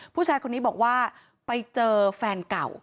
ผู้ชายคนนี้บอกว่าไปเจอแฟนเก่า